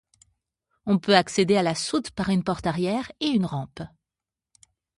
On peut accéder à la soute par une porte arrière et une rampe.